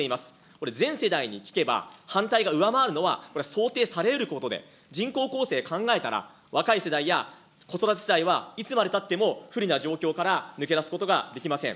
これ、全世代に聞けば反対が上回るのは、これ、想定されうることで、人口構成考えたら、若い世代や子育て世代はいつまでたっても不利な状況から抜け出すことができません。